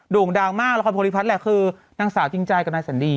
่งดังมากละครภูริพัฒน์แหละคือนางสาวจริงใจกับนายสันดี